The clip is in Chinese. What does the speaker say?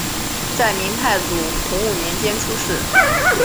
在明太祖洪武年间出仕。